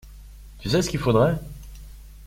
Tu sais ce qu’il faudrait?